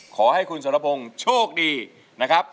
ขอให้คุณสัตว์นโภงโชคดีนะครับ